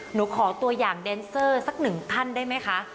หนูขอตัวอย่างแดนเซอร์สักหนึ่งท่านได้ไหมคะ